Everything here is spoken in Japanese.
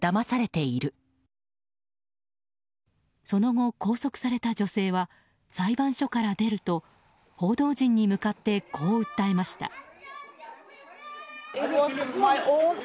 その後、拘束された女性は裁判所から出ると報道陣に向かってこう訴えました。